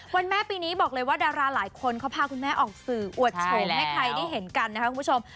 แม่ปีนี้บอกเลยว่าดาราหลายคนเขาพาคุณแม่ออกสื่ออวดโฉมให้ใครได้เห็นกันนะครับคุณผู้ชม